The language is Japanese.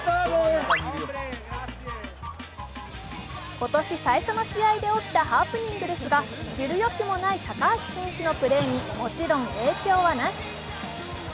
今年最初の試合で起きたハプニングですが知るよしもない高橋選手のプレーにもちろん影響はなし。